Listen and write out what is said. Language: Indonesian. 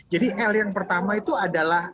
l yang pertama itu adalah